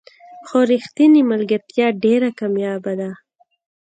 خو رښتینې ملګرتیا ډېره کمیابه ده.